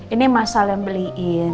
ini mas al yang beliin